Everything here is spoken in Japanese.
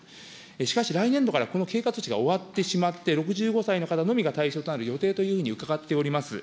しかし、来年度からこの経過措置が終わってしまって、６５歳の方のみが対象となる予定というふうに伺っております。